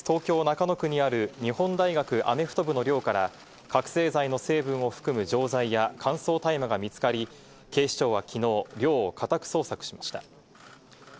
先月、東京・中野区にある日本大学アメフト部の寮から覚せい剤の成分を含む錠剤や乾燥大麻が見つかり、警視庁はきのう寮を家宅捜索しました。